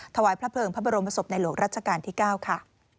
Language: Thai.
ถวายพระเพลิงพระบรมศพในหลวงรัชกาลที่๙ค่ะ